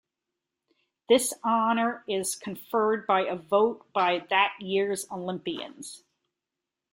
This honor is conferred by a vote by that year's Olympians.